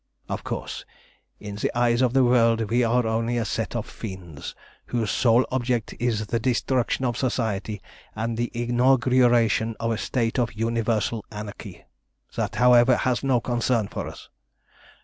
Of course, in the eyes of the world we are only a set of fiends, whose sole object is the destruction of Society, and the inauguration of a state of universal anarchy. That, however, has no concern for us.